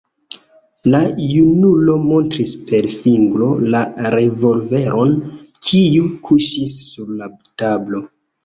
La junulo montris per fingro la revolveron, kiu kuŝis sur la tablo.